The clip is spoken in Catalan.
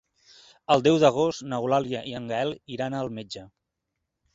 El deu d'agost n'Eulàlia i en Gaël iran al metge.